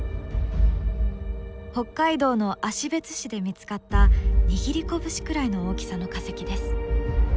北海道の芦別市で見つかった握り拳くらいの大きさの化石です。